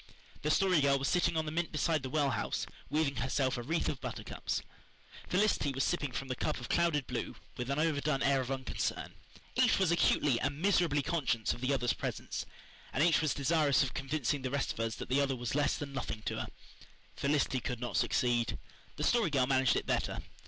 The Story Girl was sitting on the mint beside the well house, weaving herself a wreath of buttercups. Felicity was sipping from the cup of clouded blue with an overdone air of unconcern. Each was acutely and miserably conscious of the other's presence, and each was desirous of convincing the rest of us that the other was less than nothing to her. Felicity could not succeed. The Story Girl managed it better.